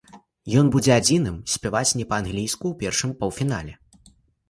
Ён будзе адзіным спяваць не па-англійску ў першым паўфінале.